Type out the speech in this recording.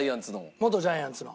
元ジャイアンツの。